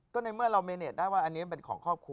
ก็ในเมื่อเราเมเนตได้ว่าอันนี้มันเป็นของครอบครัว